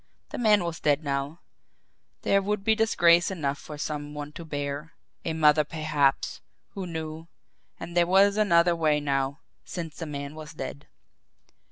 The man was dead now there would be disgrace enough for some one to bear, a mother perhaps who knew! And there was another way now since the man was dead.